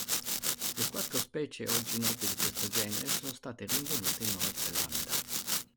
Le quattro specie oggi note di questo genere sono state rinvenute in Nuova Zelanda.